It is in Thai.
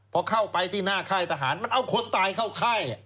พอเข้าไปที่หน้าค่ายทหารมันเอาคนตายเข้าค่าย